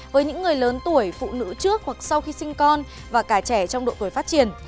với những người lớn tuổi phụ nữ trước hoặc sau khi sinh con và cả trẻ trong độ tuổi phát triển